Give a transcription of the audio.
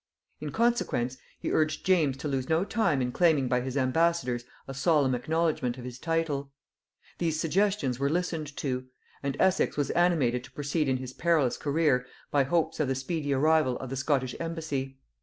In consequence, he urged James to lose no time in claiming by his ambassadors a solemn acknowledgement of his title. These suggestions were listened to; and Essex was animated to proceed in his perilous career by hopes of the speedy arrival of the Scottish embassy.